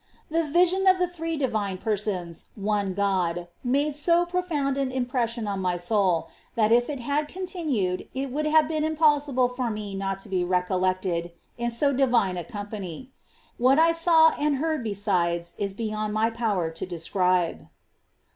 The vision of the Three Divine Persons — one God — made so profound an impression on my soul, that if it had continued it would have been impossible for me not to be recollected in so divine a company. What I saw and heard besides is beyond my power to describe.